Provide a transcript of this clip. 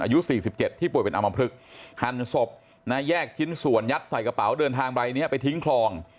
อายุ๔๗ที่ป่วยเป็นอมพลึกหั่นศพนะแยกชิ้นส่วนยัดใส่กระเป๋าเดินทางใบนี้ไปทิ้งคลอง